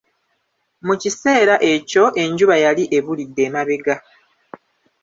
Mu kiseera ekyo enjuba yali ebulidde emabega.